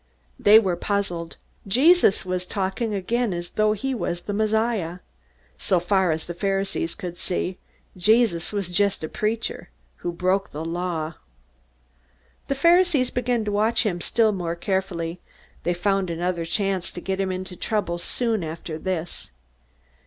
They were puzzled. Jesus was talking again as though he was the Messiah. So far as the Pharisees could see, Jesus was just a preacher who broke the Law. The Pharisees began to watch him still more carefully. They found another chance to get him into trouble soon after this.